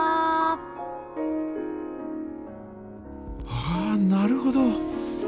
ああなるほど。